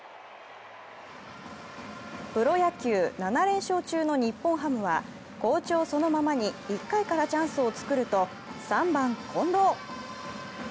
プロ野球、７連勝中の日本ハムは好調そのままに１回からチャンスを作ると３番・近藤。